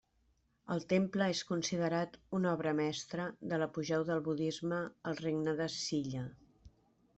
El temple és considerat una obra mestra de l'apogeu del budisme al Regne de Silla.